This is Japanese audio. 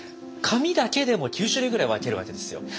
紙だけでも９種類ぐらい分けるわけですよ。